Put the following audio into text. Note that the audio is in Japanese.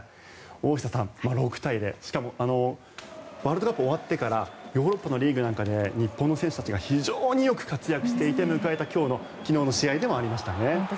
大下さん、６対０しかもワールドカップ終わってからヨーロッパのリーグで日本の選手たちが非常によく活躍していて迎えた昨日の試合でもありましたね。